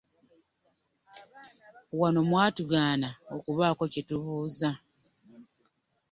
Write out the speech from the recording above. Wano mwatugaana okubaako kye tubuuza.